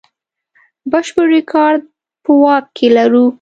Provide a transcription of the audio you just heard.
بشپړ ریکارډ په واک کې لرو.